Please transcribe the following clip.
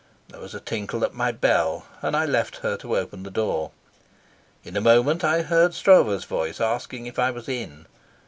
There was a tinkle at my bell, and I left her to open the door. In a moment I heard Stroeve's voice asking if I was in.